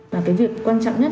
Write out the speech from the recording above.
và cái việc quan trọng nhất